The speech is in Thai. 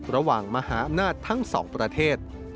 ระหว่างมหาอำนาจทั้งสองประเทศ